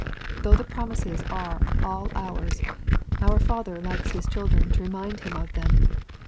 Though the promises are all ours, our Father likes His children to remind Him of them.